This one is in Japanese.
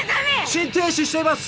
心停止しています！